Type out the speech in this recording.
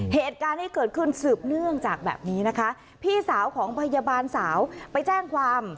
เหตุการณ์ที่เกิดขึ้นสืบเนื่องจากแบบนี้นะคะพี่สาวของพยาบาลสาวไปแจ้งความ